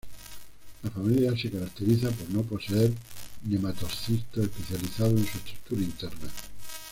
La familia se caracteriza por no poseer nematocistos especializados en su estructura interna.